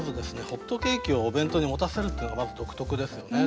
ホットケーキをお弁当に持たせるっていうのがまず独特ですよね。